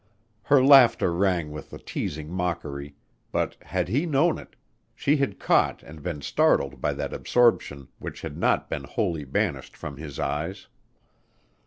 Her laughter rang with a teasing mockery, but, had he known it, she had caught and been startled by that absorption which had not been wholly banished from his eyes.